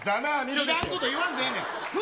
いらんこと言わんでええねん。